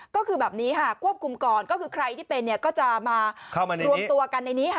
ก็คือแบบนี้ค่ะควบคุมก่อนก็คือใครที่เป็นเนี่ยก็จะมารวมตัวกันในนี้ค่ะ